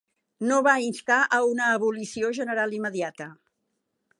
No va instar a una abolició general immediata.